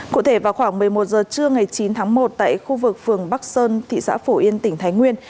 cụ thể vào khoảng một mươi một h trưa ngày chín tháng một tại khu vực phường bắc sơn thị xã phổ yên tỉnh thái nguyên